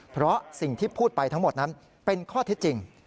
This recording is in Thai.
เพราะสิ่งที่พูดไปทั้งหมดนั้นเป็นข้อเท็จจริง